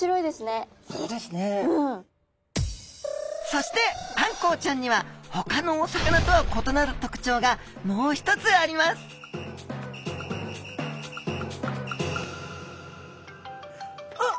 そしてあんこうちゃんにはほかのお魚とは異なる特徴がもう一つありますあっ